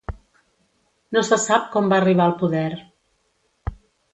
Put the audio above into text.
No se sap com va arribar al poder.